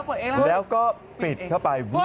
เปิดเองแล้วก็ปิดเข้าไป